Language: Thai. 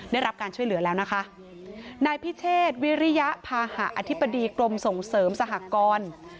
ได้รับการช่วยเหลือแล้วนะคะนายพิเชษวิริยภาหะอธิบดีกรมส่งเสริมสหกร